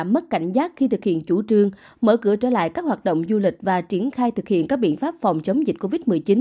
mất cảnh giác khi thực hiện chủ trương mở cửa trở lại các hoạt động du lịch và triển khai thực hiện các biện pháp phòng chống dịch covid một mươi chín